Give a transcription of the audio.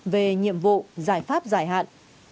về nhiệm vụ giải pháp giải hạn